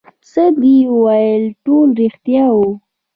څه دې چې وويل ټول رښتيا وو.